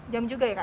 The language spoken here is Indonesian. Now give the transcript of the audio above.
jam juga ya kak ya